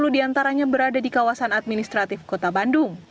tiga ratus lima puluh diantaranya berada di kawasan administratif kota bandung